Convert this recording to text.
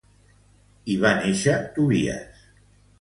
Hi va néixer Tobies.